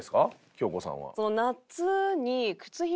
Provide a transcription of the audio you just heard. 京子さんは。